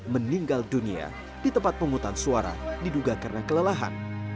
meninggal dunia di tempat penghutang suara diduga karena kelelahan